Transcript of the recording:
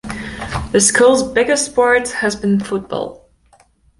The school's biggest sport has been football.